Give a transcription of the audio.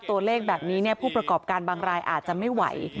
ตัวเลขแบบนี้ผู้ประกอบการบางรายอาจจะไม่ไหว